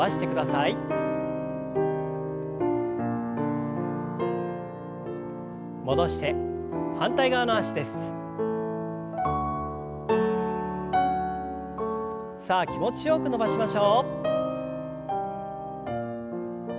さあ気持ちよく伸ばしましょう。